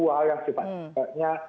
hal yang sifatnya